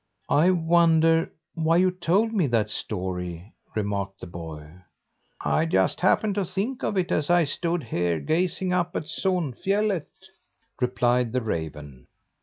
"I wonder why you told me that story?" remarked the boy. "I just happened to think of it as I stood here, gazing up at Sonfjället," replied the raven.